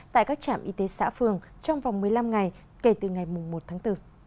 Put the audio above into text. tại các trạm y tế xã phường trong vòng một mươi năm ngày kể từ ngày một tháng bốn